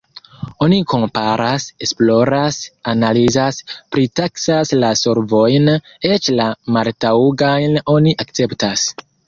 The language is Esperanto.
Oni komparas, esploras, analizas, pritaksas la solvojn, eĉ la maltaŭgajn oni akceptas.